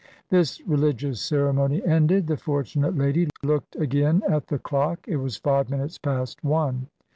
This religious ceremony ended, the fortunate lady looked again at the clock. It was five minutes past one.